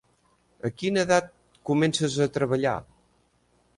A quina edat comences a treballar?